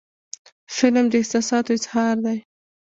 فلم د احساساتو اظهار دی